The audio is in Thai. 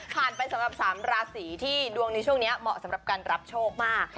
ไปสำหรับ๓ราศีที่ดวงในช่วงนี้เหมาะสำหรับการรับโชคมาก